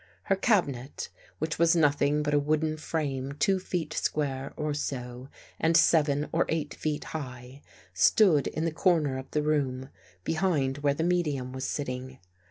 Her cabinet, which was nothing but a wooden frame two feet square or so and seven or eight feet high, stood in the corner of the room behind where the medium was sitting.